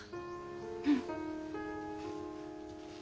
うん。